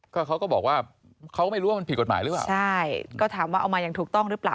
ก็เขาก็บอกว่าเขาไม่รู้ว่ามันผิดกฎหมายหรือเปล่าใช่ก็ถามว่าเอามาอย่างถูกต้องหรือเปล่า